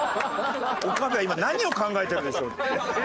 岡部は今何を考えてるでしょう？